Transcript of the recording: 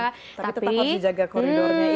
tapi tetap harus dijaga koridornya itu